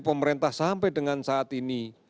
pemerintah sampai dengan saat ini